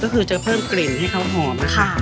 ก็คือจะเพิ่มกลิ่นให้เขาหอม